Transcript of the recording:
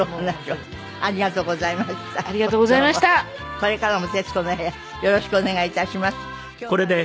これからも『徹子の部屋』よろしくお願い致します。